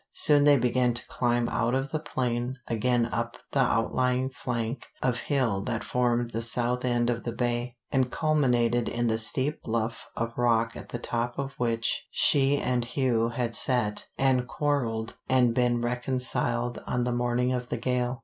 Soon they began to climb out of the plain again up the outlying flank of hill that formed the south end of the bay, and culminated in the steep bluff of rock at the top of which she and Hugh had sat and quarreled and been reconciled on the morning of the gale.